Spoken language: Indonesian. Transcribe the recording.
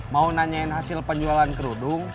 mau nanyain hasil penjualan kerudung